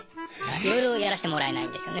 いろいろやらせてもらえないんですよね